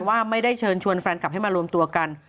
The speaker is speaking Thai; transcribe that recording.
ว่าไม่ได้เชิญชวนแฟนกลับให้มารวมตัวกัน